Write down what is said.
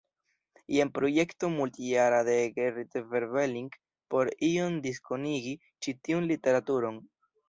Jen projekto multjara de Gerrit Berveling por iom diskonigi ĉi tiun literaturon.